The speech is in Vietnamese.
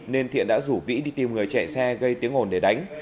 nên thiện đã rủ vĩ đi tìm người chạy xe gây tiếng ồn để đánh